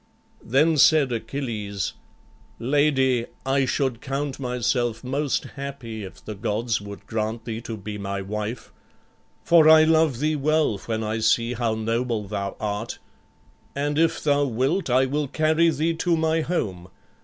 Then said Achilles, "Lady, I should count myself most happy if the gods would grant thee to be my wife. For I love thee well when I see how noble thou art. And if thou wilt, I will carry thee to my home.